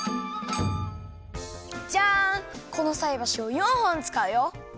このさいばしを４ほんつかうよ！